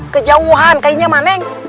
kejauhan kayaknya mah neng